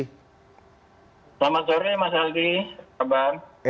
selamat sore mas aldi kabar